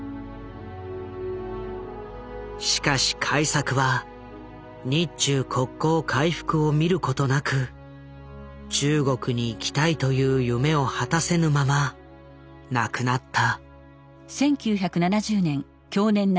しかし開作は日中国交回復を見ることなく中国に行きたいという夢を果たせぬまま亡くなった。